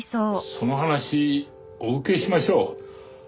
その話お受けしましょう。